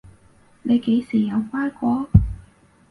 你幾時有乖過？